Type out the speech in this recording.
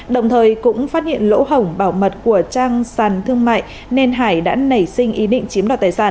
đồng thời cũng phát hiện lỗ hổng bảo mật của trang sàn thương mại nên hải đã nảy sinh ý định chiếm đoạt tài sản